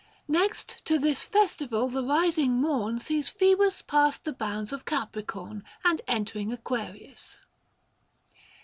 Next to this festival the rising morn Sees Phoebus passed the bounds of Capricorn And entering Aquarius.